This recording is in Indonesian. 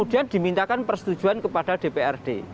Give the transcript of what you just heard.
dan dimintakan persetujuan kepada dprd